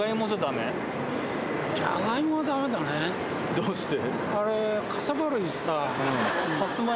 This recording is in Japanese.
どうして？